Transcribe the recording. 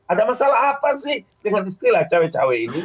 ada masalah apa sih dengan istilah cawe cawe ini